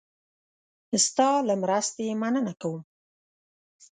ستا له مرستې مننه کوم.